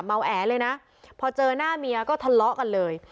แอเลยนะพอเจอหน้าเมียก็ทะเลาะกันเลย